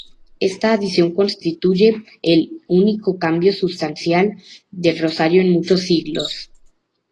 Esta adición constituye el único cambio sustancial del rosario en muchos siglos.